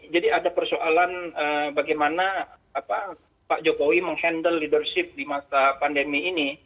jadi ada persoalan bagaimana pak jokowi mengendal leadership di masa pandemi ini